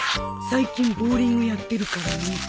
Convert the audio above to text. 最近ボウリングやってるからね。